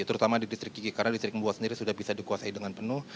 terutama di distrik gigi karena distrik mbua sendiri sudah bisa dikuasai dengan penuh